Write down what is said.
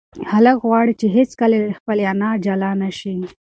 هلک غواړي چې هیڅکله له خپلې انا جلا نشي.